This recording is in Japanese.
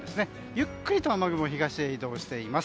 ゆっくりと雨雲は東に移動しています。